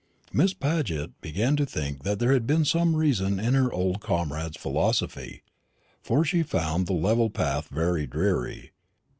Miss Paget began to think that there had been some reason in her old comrade's philosophy; for she found the level path very dreary.